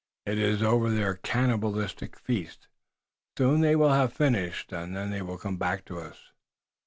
It is over their cannibalistic feast. Soon they will have finished and then they will come back to us."